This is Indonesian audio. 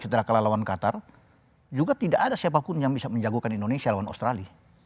setelah kalah lawan qatar juga tidak ada siapapun yang bisa menjagokan indonesia lawan australia